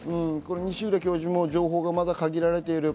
西浦教授もまだ情報が限られている。